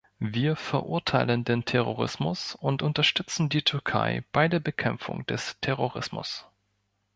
Wir verurteilen den Terrorismus und unterstützen die Türkei bei der Bekämpfung des Terrorismus.